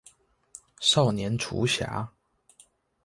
少年廚俠